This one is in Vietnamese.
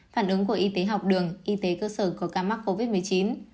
phản ứng của y tế học đường y tế cơ sở của các mắc covid một mươi chín